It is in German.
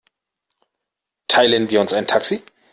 Teilen wir uns ein Taxi?